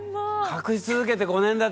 隠し続けて５年だって。